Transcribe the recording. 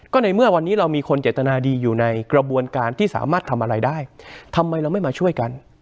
ก็ในเมื่อวันนี้เรามีคนเจตนาดีอยู่ในกระบวนการที่สามารถทำอะไรได้ทำไมเราไม่มาช่วยกัน